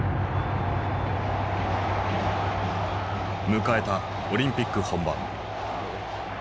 迎えたオリンピック本番。